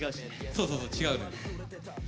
そうそうそう違うのよ。